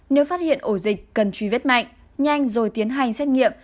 nếu phát hiện ổ dịch cần truy vết mạnh nhanh rồi tiến hành xét nghiệm